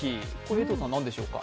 江藤さん、何でしょうか？